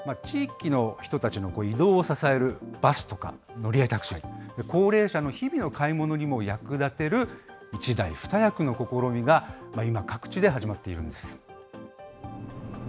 地域の人たちの移動を支えるバスとか乗り合いタクシー、高齢者の日々の買い物にも役立てる１台２役の試みが今、各地で始まっているんです。